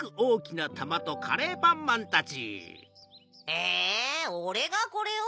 えおれがこれを？